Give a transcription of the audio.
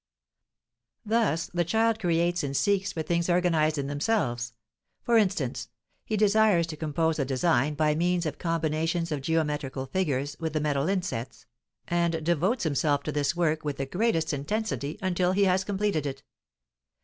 Thus the child creates and seeks for things organized in themselves; for instance, he desires to compose a design by means of combinations of geometrical figures with the metal insets, and devotes himself to this work with the greatest intensity until he has completed it.